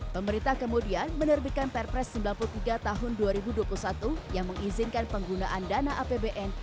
pemerintah kemudian menerbitkan perpres sembilan puluh tiga tahun dua ribu dua puluh satu yang mengizinkan penggunaan dana apbn